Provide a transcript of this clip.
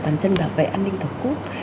toàn dân bảo vệ an ninh tổ quốc